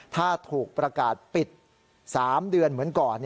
ถ้าถูกประกาศปิด๓เดือนเหมือนก่อน